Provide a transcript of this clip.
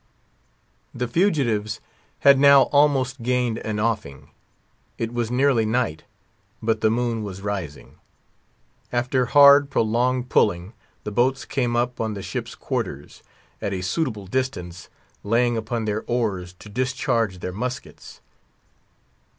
The fugitives had now almost gained an offing. It was nearly night; but the moon was rising. After hard, prolonged pulling, the boats came up on the ship's quarters, at a suitable distance laying upon their oars to discharge their muskets.